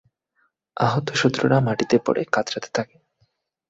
আহত শত্রুরা মাটিতে পড়ে কাতরাতে থাকে।